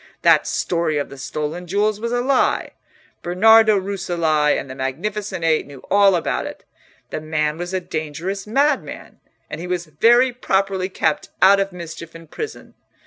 That story of the stolen jewels was a lie. Bernardo Rucellai and the Magnificent Eight knew all about it. The man was a dangerous madman, and he was very properly kept out of mischief in prison.